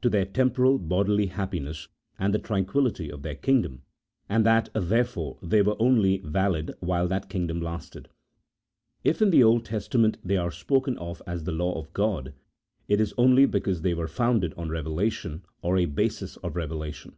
to their temporal bodily happiness and the tranquillity of their kingdom, and that therefore they were only valid while that kingdom lasted. If in the Old Testament they are spoken of as the law of G od, it is only because they were founded on revelation, or a basis of revelation.